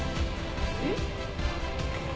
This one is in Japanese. えっ？